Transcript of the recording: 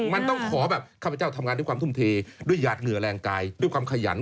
มันต้องขอแบบข้าพเจ้าทำงานด้วยความทุ่มเทด้วยหยาดเหงื่อแรงกายด้วยความขยัน